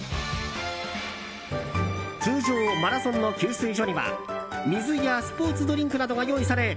通常、マラソンの給水所には水やスポーツドリンクなどが用意され